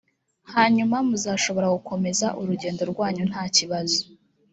hanyuma muzashobora gukomeza urugendo rwanyu ntakibazo.